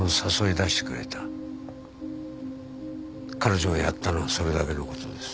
彼女がやったのはそれだけの事です。